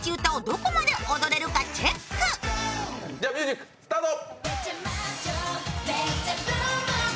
ミュージックスタート！